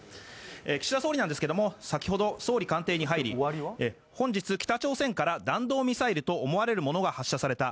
岸田総理は先ほど、総理官邸に入り本日北朝鮮から弾道ミサイルと思われるものが発射された。